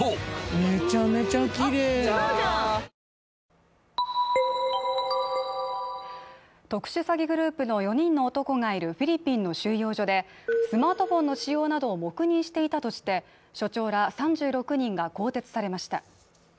めちゃめちゃきれい特殊詐欺グループの４人の男がいるフィリピンの収容所でスマートフォンの使用などを黙認していたとして所長ら３６人が更迭されました